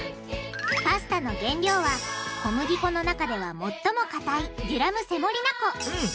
パスタの原料は小麦粉の中では最もかたいデュラムセモリナ粉。